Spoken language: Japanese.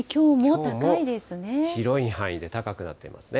広い範囲で高くなっていますね。